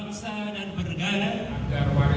agar warisan rakyat akan tidak lebih kebangun